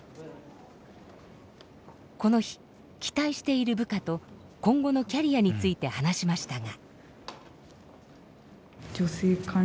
この日期待している部下と今後のキャリアについて話しましたが。